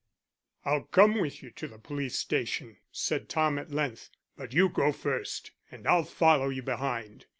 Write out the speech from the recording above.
"I'll come with you to the police station," said Tom at length. "But you go first and I'll follow you behind."